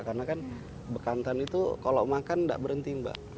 karena kan bekantan itu kalau makan nggak berhenti mbak